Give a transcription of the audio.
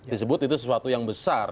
disebut itu sesuatu yang besar